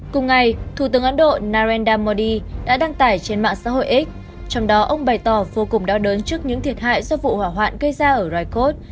cùng ngày thủ tướng ấn độ narendra modi đã đăng tải trên mạng xã hội x trong đó ông bày tỏ vô cùng đau đớn trước những thiệt hại do vụ hỏa hoạn gây ra ở rikod